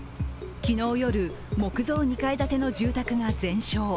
昨日夜、木造２階建ての住宅が全焼。